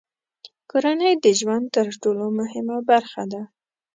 کورنۍ د ژوند تر ټولو مهمه برخه ده.